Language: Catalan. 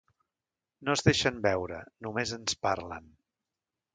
No es deixen veure, només ens parlen...